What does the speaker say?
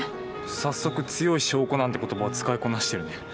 早速「強い証拠」なんて言葉を使いこなしてるね。